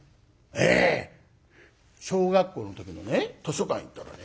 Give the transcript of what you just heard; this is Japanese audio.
ええ。小学校の時のね図書館行ったらね